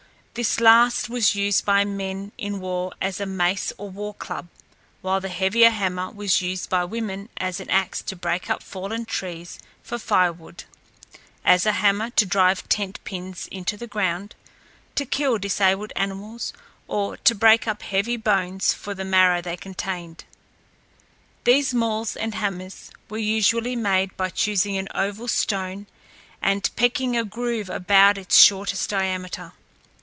This last was used by men in war as a mace or war club, while the heavier hammer was used by women as an axe to break up fallen trees for firewood; as a hammer to drive tent pins into the ground, to kill disabled animals, or to break up heavy bones for the marrow they contained. These mauls and hammers were usually made by choosing an oval stone and pecking a groove about its shortest diameter.